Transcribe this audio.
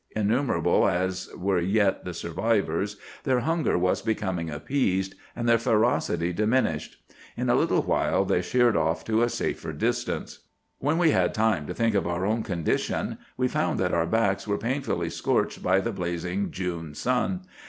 Innumerable as were yet the survivors, their hunger was becoming appeased, and their ferocity diminished. In a little while they sheered off to a safer distance. "When we had time to think of our own condition, we found that our backs were painfully scorched by the blazing June sun.